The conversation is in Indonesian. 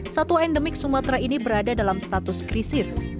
satwa endemik sumatera ini berada dalam status krisis